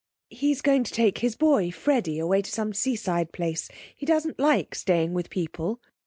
'He's going to take his boy, Freddie, away to some seaside place. He doesn't like staying with people.'